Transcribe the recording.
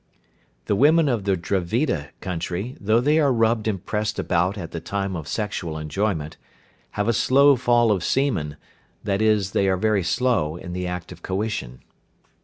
The women of the Dravida country, though they are rubbed and pressed about at the time of sexual enjoyment, have a slow fall of semen, that is they are very slow in the act of coition.